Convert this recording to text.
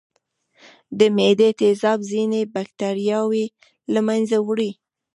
د معدې تیزاب ځینې بکتریاوې له منځه وړي.